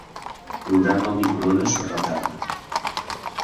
Programa el microones per a la tarda.